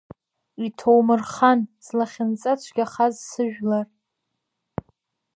Иҭоумырхан злахьынҵа цәгьахаз сыжәлар!